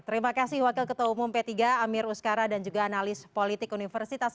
terima kasih wakil ketua umum p tiga amir uskara dan juga analis politik universitas